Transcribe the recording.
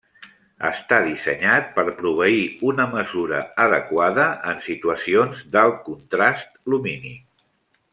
Està dissenyat per proveir una mesura adequada en situacions d'alt contrast lumínic.